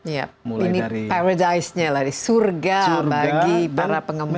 ya ini paradisnya surga bagi para pengembang